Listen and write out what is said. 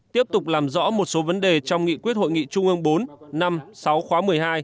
tiếp tục làm rõ một số vấn đề trong nghị quyết hội nghị trung ương bốn năm sáu khóa một mươi hai